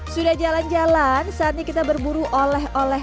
sudah jalan jalan saat ini kita berburu oleh oleh